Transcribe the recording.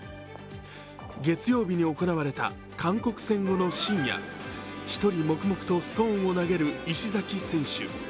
月曜日に行われた韓国戦後の深夜、１人黙々とストーンを投げる石崎選手。